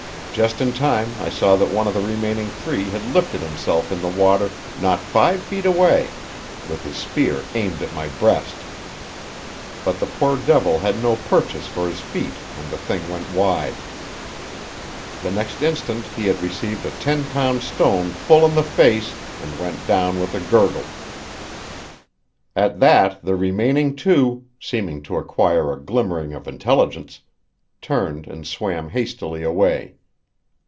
Just in time I saw that one of the remaining three had lifted himself in the water not five feet away, with his spear aimed at my breast. But the poor devil had no purchase for his feet and the thing went wide. The next instant he had received a ten pound stone full in the face and went down with a gurgle. At that the remaining two, seeming to acquire a glimmering of intelligence, turned and swam hastily away.